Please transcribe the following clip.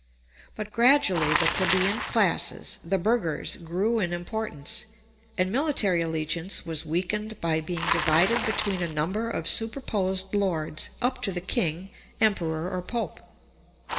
But gradually the plebeian classes—the burghers—grew in importance, and military allegiance was weakened by being divided between a number of superposed lords, up to the king, emperor, or pope.